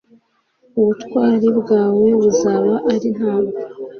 ubutwari bwawe buzaba ari nta bwo